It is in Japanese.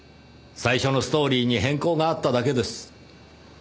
最初のストーリーに変更があっただけです。